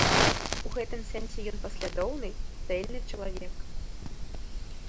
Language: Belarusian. У гэтым сэнсе ён паслядоўны, цэльны чалавек.